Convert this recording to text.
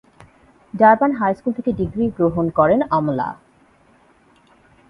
Durban high school থেকে degree গ্রহণ করেন আমলা।